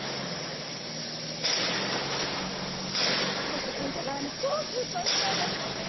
告知にたがわぬ超スーパースターだったね！